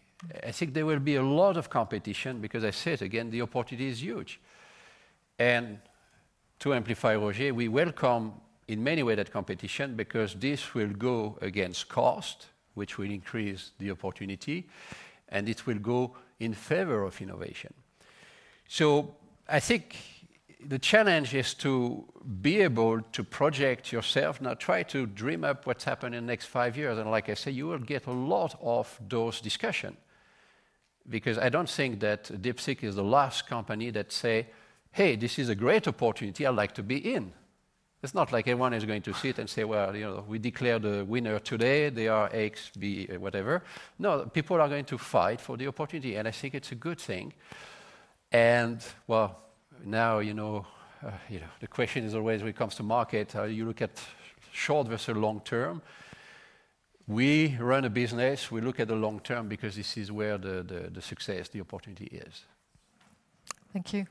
I think there will be a lot of competition because, I say it again, the opportunity is huge. And to amplify Roger, we welcome in many ways that competition because this will go against cost, which will increase the opportunity. It will go in favor of innovation. So I think the challenge is to be able to project yourself, not try to dream up what's happening in the next five years. And like I say, you will get a lot of those discussions because I don't think that DeepSeek is the last company that says, "Hey, this is a great opportunity. I'd like to be in." It's not like everyone is going to sit and say, "Well, we declare the winner today. They are X, B, whatever." No, people are going to fight for the opportunity. And I think it's a good thing. And well, now the question is always when it comes to market, how do you look at short versus long term? We run a business. We look at the long term because this is where the success, the opportunity is. Thank you.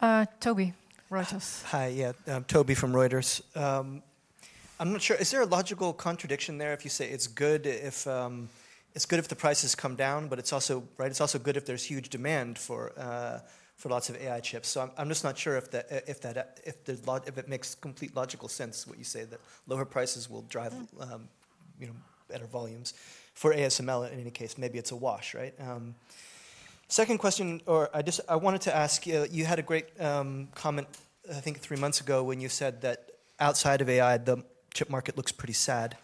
Toby Sterling, Reuters. Hi. Yeah, Toby from Reuters. I'm not sure. Is there a logical contradiction there if you say it's good if the prices come down, but it's also good if there's huge demand for lots of AI chips? So I'm just not sure if it makes complete logical sense what you say, that lower prices will drive better volumes for ASML in any case. Maybe it's a wash, right? Second question, or I wanted to ask, you had a great comment, I think, three months ago when you said that outside of AI, the chip market looks pretty sad.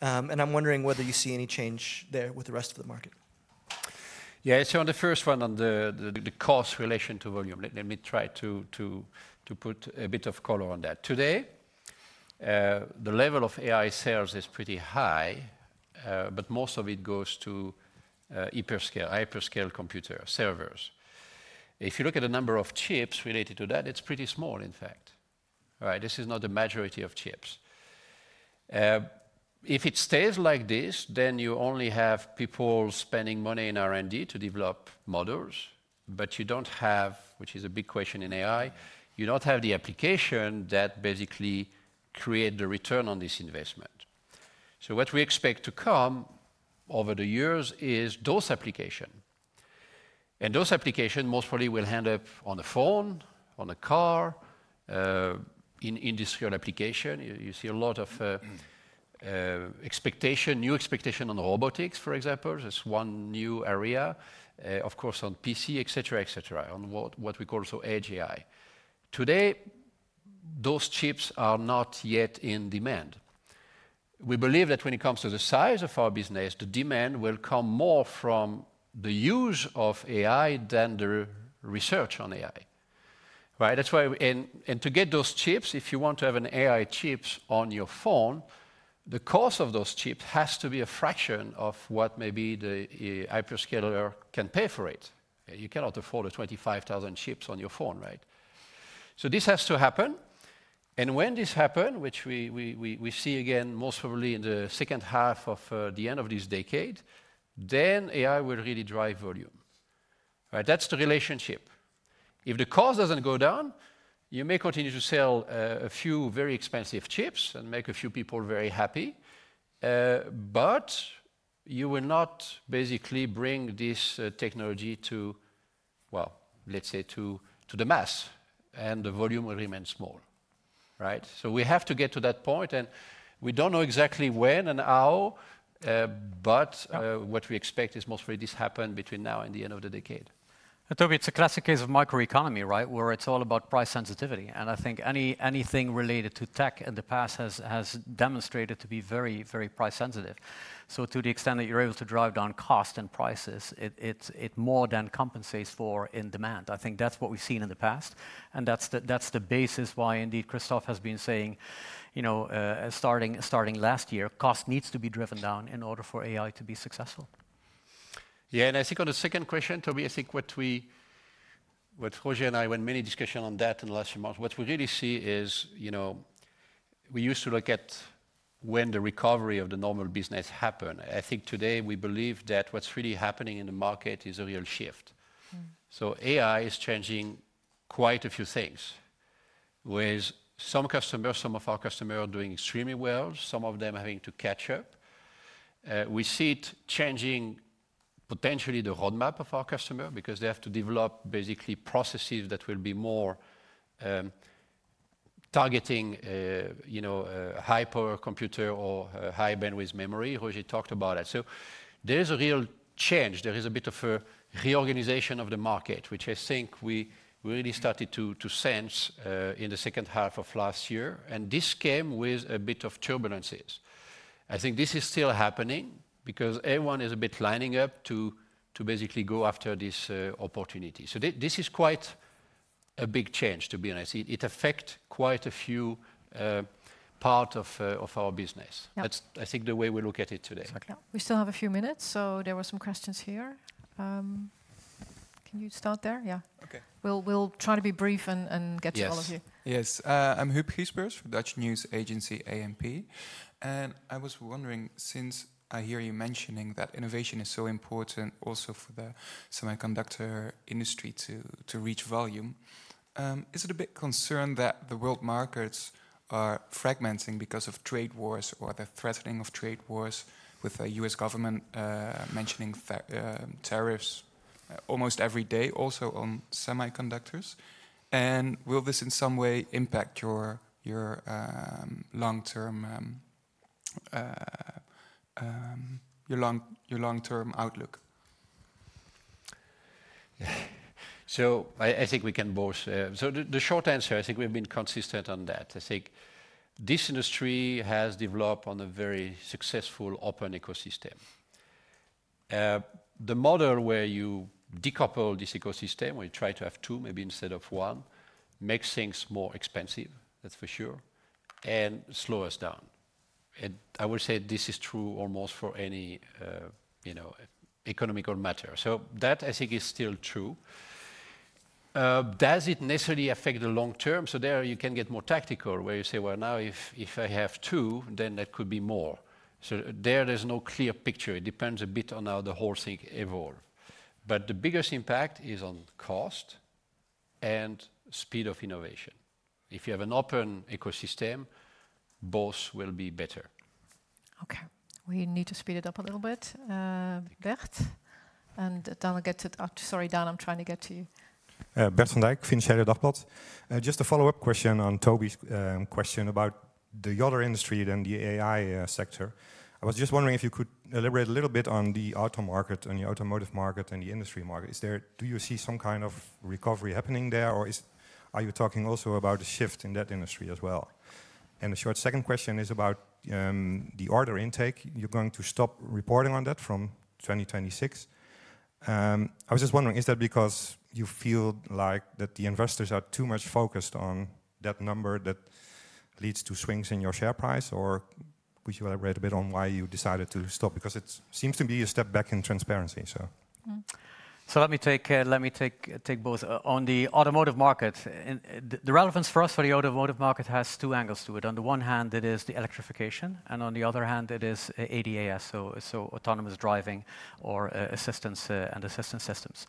And I'm wondering whether you see any change there with the rest of the market. Yeah. So on the first one, on the cost relation to volume, let me try to put a bit of color on that. Today, the level of AI sales is pretty high, but most of it goes to hyperscale, hyperscale computer servers. If you look at the number of chips related to that, it's pretty small, in fact. This is not the majority of chips. If it stays like this, then you only have people spending money in R&D to develop models, but you don't have, which is a big question in AI, you don't have the application that basically creates the return on this investment. So what we expect to come over the years is those applications. And those applications most probably will end up on a phone, on a car, in industrial application. You see a lot of new expectations on robotics, for example. That's one new area, of course, on PC, etc., etc., on what we call also edge AI. Today, those chips are not yet in demand. We believe that when it comes to the size of our business, the demand will come more from the use of AI than the research on AI. And to get those chips, if you want to have AI chips on your phone, the cost of those chips has to be a fraction of what maybe the hyperscaler can pay for it. You cannot afford 25,000 chips on your phone, right? So this has to happen. And when this happens, which we see again most probably in the second half of the end of this decade, then AI will really drive volume. That's the relationship. If the cost doesn't go down, you may continue to sell a few very expensive chips and make a few people very happy. But you will not basically bring this technology to, well, let's say, to the mass, and the volume will remain small. Right? So we have to get to that point. And we don't know exactly when and how, but what we expect is most probably this happens between now and the end of the decade. Toby, it's a classic case of microeconomics, right, where it's all about price sensitivity. And I think anything related to tech in the past has demonstrated to be very, very price sensitive. So to the extent that you're able to drive down cost and prices, it more than compensates for in demand. I think that's what we've seen in the past. And that's the basis why, indeed, Christophe has been saying, starting last year, cost needs to be driven down in order for AI to be successful. Yeah. I think on the second question, Toby, I think what Roger and I went into many discussions on that in the last few months. What we really see is we used to look at when the recovery of the normal business happened. I think today we believe that what's really happening in the market is a real shift. So AI is changing quite a few things, whereas some customers, some of our customers are doing extremely well, some of them having to catch up. We see it changing potentially the roadmap of our customers because they have to develop basically processes that will be more targeting high-power computer or high-bandwidth memory. Roger talked about it. So there is a real change. There is a bit of a reorganization of the market, which I think we really started to sense in the second half of last year. This came with a bit of turbulence. I think this is still happening because everyone is a bit lining up to basically go after this opportunity. This is quite a big change, to be honest. It affects quite a few parts of our business. That's, I think, the way we look at it today. We still have a few minutes. There were some questions here. Can you start there? Yeah. Okay. We'll try to be brief and get to all of you. Yes. I'm Huug Kiesbers, Dutch news agency ANP. I was wondering, since I hear you mentioning that innovation is so important also for the semiconductor industry to reach volume, is it a bit concerned that the world markets are fragmenting because of trade wars or the threatening of trade wars with the U.S. government mentioning tariffs almost every day also on semiconductors? And will this in some way impact your long-term outlook? So I think we can both. So the short answer, I think we've been consistent on that. I think this industry has developed on a very successful open ecosystem. The model where you decouple this ecosystem, where you try to have two, maybe instead of one, makes things more expensive, that's for sure, and slows us down. And I would say this is true almost for any economic matter. So that, I think, is still true. Does it necessarily affect the long term? So there you can get more tactical, where you say, "Well, now if I have two, then that could be more." So there's no clear picture. It depends a bit on how the whole thing evolves. But the biggest impact is on cost and speed of innovation. If you have an open ecosystem, both will be better. Okay. We need to speed it up a little bit. Bert? And Donald gets it. Sorry, Don, I'm trying to get to you. Bert van Dijk, Financieel Dagblad. Just a follow-up question on Toby's question about the other industry than the AI sector. I was just wondering if you could elaborate a little bit on the auto market and the automotive market and the industry market. Do you see some kind of recovery happening there, or are you talking also about a shift in that industry as well? And the short second question is about the order intake. You're going to stop reporting on that from 2026. I was just wondering, is that because you feel like that the investors are too much focused on that number that leads to swings in your share price, or could you elaborate a bit on why you decided to stop? Because it seems to be a step back in transparency, so. So let me take both. On the automotive market, the relevance for us for the automotive market has two angles to it. On the one hand, it is the electrification, and on the other hand, it is ADAS, so autonomous driving or assistance and assistance systems.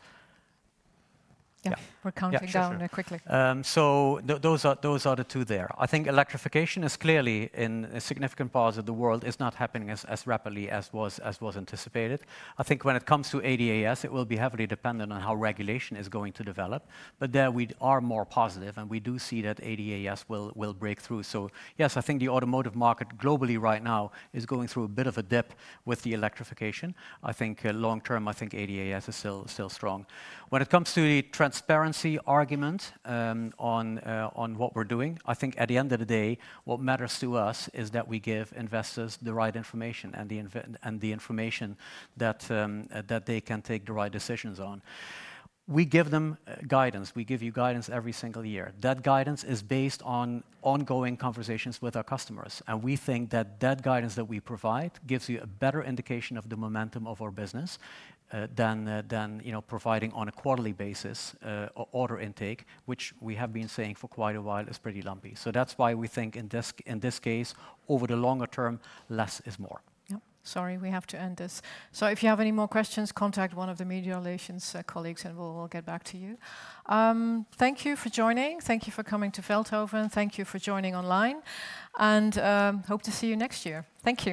Yeah. We're counting down quickly. So those are the two there. I think electrification is clearly in a significant part of the world is not happening as rapidly as was anticipated. I think when it comes to ADAS, it will be heavily dependent on how regulation is going to develop. But there we are more positive, and we do see that ADAS will break through. So yes, I think the automotive market globally right now is going through a bit of a dip with the electrification. I think long term, I think ADAS is still strong. When it comes to the transparency argument on what we're doing, I think at the end of the day, what matters to us is that we give investors the right information and the information that they can take the right decisions on. We give them guidance. We give you guidance every single year. That guidance is based on ongoing conversations with our customers. And we think that that guidance that we provide gives you a better indication of the momentum of our business than providing on a quarterly basis order intake, which we have been saying for quite a while is pretty lumpy. So that's why we think in this case, over the longer term, less is more. Sorry, we have to end this. So if you have any more questions, contact one of the media relations colleagues, and we'll get back to you. Thank you for joining. Thank you for coming to Veldhoven. Thank you for joining online. Hope to see you next year. Thank you.